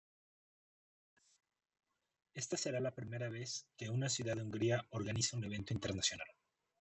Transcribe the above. Está será la primera vez que una ciudad de Hungría organiza un evento internacional.